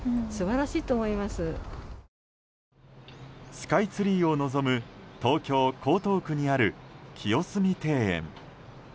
スカイツリーを望む東京・江東区にある清澄庭園。